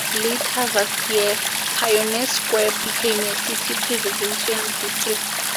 Later that year, Pioneer Square became a city preservation district.